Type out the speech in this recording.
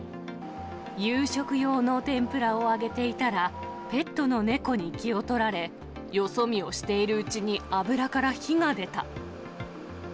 夕食用の天ぷらを揚げていたら、ペットの猫に気を取られ、よそ見をしているうちに油から火が出た。